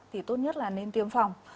thì tốt nhất là nên tiêm phòng